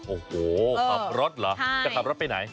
โอ้โหขับรถเหรอจะขับรถไปไหน